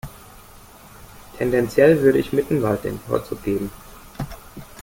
Tendenziell würde ich Mittenwald den Vorzug geben.